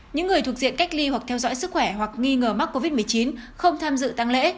những người thuộc diện cách ly hoặc theo dõi sức khỏe hoặc nghi ngờ mắc covid một mươi chín không tham dự tăng lễ